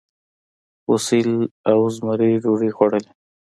هوسۍ او زمري ډوډۍ خوړلې؟